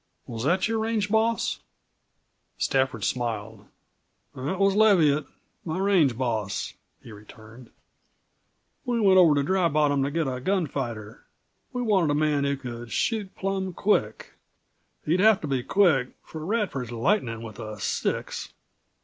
Was that your range boss?" Stafford smiled. "That was Leviatt my range boss," he returned. "We went over to Dry Bottom to get a gunfighter. We wanted a man who could shoot plum quick. He'd have to be quick, for Radford's lightnin' with a six.